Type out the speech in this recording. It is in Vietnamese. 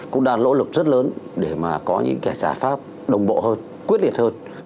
cũng đang nỗ lực rất lớn để mà có những cái giải pháp đồng bộ hơn quyết liệt hơn